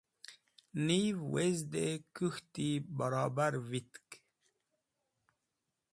Niv wezde kũk̃hti barobar vitk.